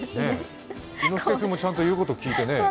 猪之助君、ちゃんと言うこと聞いてね。